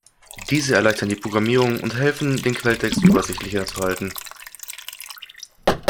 Diese erleichtern die Programmierung und helfen, den Quelltext übersichtlicher zu halten.